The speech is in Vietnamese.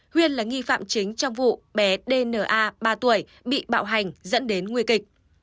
huyên là nghi phạm chính trong vụ bé dna ba tuổi bị bạo hành dẫn đến nguy kịch